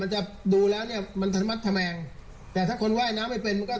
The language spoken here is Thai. จะดูแล้วเนี่ยมันธนมัดทะแมงแต่ถ้าคนว่ายน้ำไม่เป็นมันก็